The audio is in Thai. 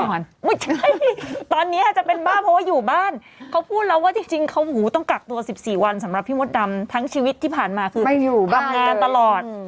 ตอนนี้อาจจะเป็นบ้าเพราะว่าอยู่บ้านเขาพูดแล้วว่าจริงเขาต้องกักตัว๑๔วันสำหรับพี่มดดำทั้งชีวิตที่ผ่านมาคือทำงานตลอด